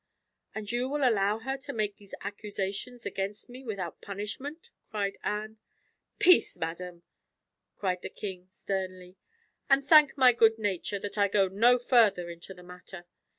"And will you allow her to make these accusations against me without punishment?" cried Anne. "Peace, madam!" cried the king sternly; "and thank my good nature that I go no further into the matter.